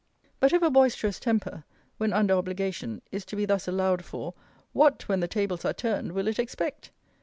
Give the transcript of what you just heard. But if a boisterous temper, when under obligation, is to be thus allowed for, what, when the tables are turned, will it expect?